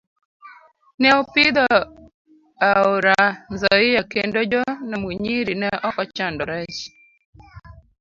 Ne opidho aora Nzoia kendo jo Namunyiri ne ok ochando rech.